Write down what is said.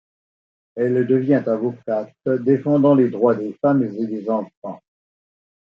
Elle devient avocate, défendant les droits des femmes et des enfants.